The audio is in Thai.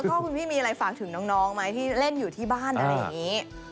ก็คุณพี่มีอะไรฝากถึงน้องไหมที่เล่นอยู่ที่บ้านอะไรอย่างนี้